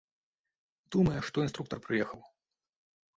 Думае, што інструктар прыехаў.